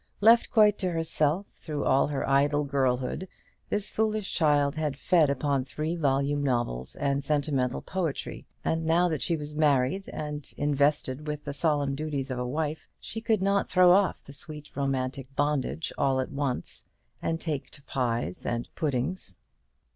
Left quite to herself through all her idle girlhood, this foolish child had fed upon three volume novels and sentimental poetry: and now that she was married and invested with the solemn duties of a wife, she could not throw off the sweet romantic bondage all at once, and take to pies and puddings.